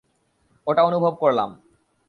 ওটা অনুভব করলাম।